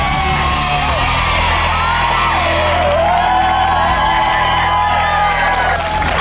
ถูกครับ